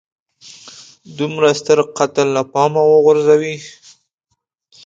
دومره ستر قتل له پامه وغورځوي.